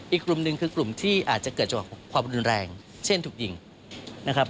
อีกกลุ่มหนึ่งคือกลุ่มที่อาจจะเกิดจากความรุนแรงเช่นถูกยิงนะครับ